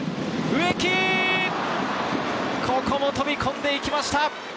植木、ここも飛び込んでいきました。